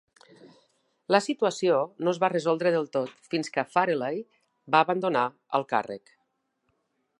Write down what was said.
La situació no es va resoldre del tot fins que Fareley va abandonar el càrrec.